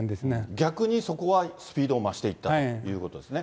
逆に、そこはスピードを増していったということですね。